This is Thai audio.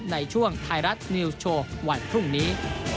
ไทยรัฐนิวส์โชว์วันพรุ่งนี้